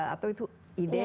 atau itu ide asal